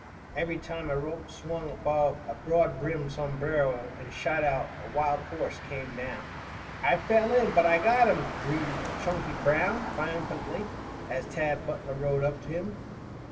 Every time a rope swung above a broad brimmed sombrero, and shot out, a wild horse came down. "I fell in, but I got him," greeted Chunky Brown, triumphantly, as Tad Butler rode up to him.